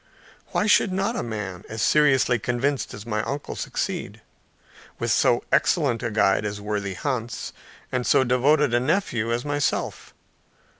Why should not a man as seriously convinced as my uncle, succeed, with so excellent a guide as worthy Hans, and so devoted a nephew as myself?